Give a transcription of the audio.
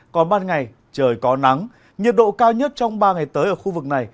còn ban ngày trời có nắng nhiệt độ cao nhất trong ba ngày tới ở khu vực này